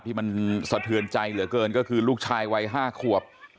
ที่มันสะเทือนใจเหลือเกินก็คือลูกชายวัย๕ขวบ